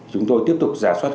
chúng tôi tiếp tục giả soát